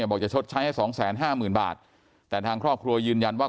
บอกจะชดใช้ให้๒๕๐๐๐๐บาทแต่ทางครอบครัวยืนยันว่า